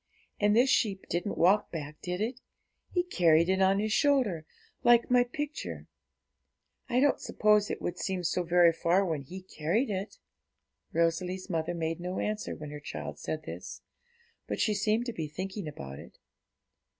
And this sheep didn't walk back; did it? He carried it on His shoulder, like my picture; I don't suppose it would seem so very far when He carried it.' Rosalie's mother made no answer when her child said this, but she seemed to be thinking about it.